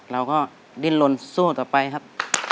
เราก็ด้วยล้วนสู้เขาต่อไปครับ